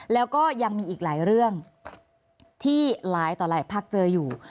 แล้วก็ยังมีอีกหลายเรื่องที่หลายต่อหลายพักเจออยู่